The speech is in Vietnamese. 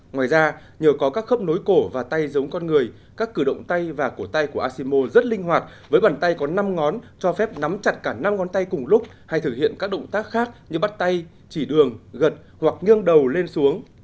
ngoài ra nhờ có các khớp nối cổ và tay giống con người các cử động tay và cổ tay của asimo rất linh hoạt với bàn tay có năm ngón cho phép nắm chặt cả năm ngón tay cùng lúc hay thực hiện các động tác khác như bắt tay chỉ đường gật hoặc nghiêng đầu lên xuống